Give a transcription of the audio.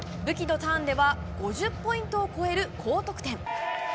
武器のターンでは５０ポイントを超える高得点。